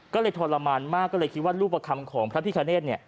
ก็เลยทรมานมากก็เลยคิดว่ารูปคำของพระพิคเนธ